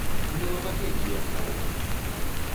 Не лапачыце, як сарокі!